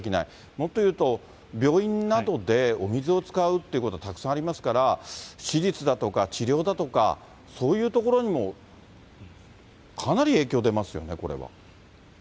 もっと言うと、病院などでお水を使うっていうことはたくさんありますから、手術だとか治療だとか、そういう所にもかなり影響出ますよね、これは。